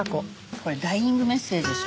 これダイイングメッセージでしょ？